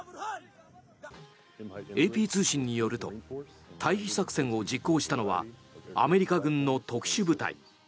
ＡＰ通信によると退避作戦を実行したのはアメリカ軍の特殊部隊。